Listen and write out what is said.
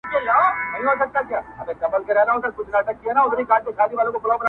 د ځان اړوند سپیناوی به بې خونده کار وي